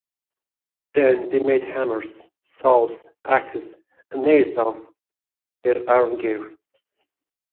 Then they made hammers, saws, axes, and nails out of their iron gear.